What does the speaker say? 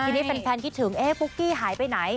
ทีนี้แฟนคิดถึงปุ๊กกี้หายไปไหน